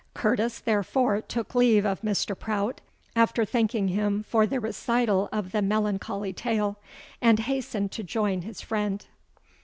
Curtis therefore took leave of Mr. Prout, after thanking him for the recital of the melancholy tale, and hastened to join his friend.